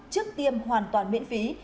trước tiêm hoàn toàn miễn phí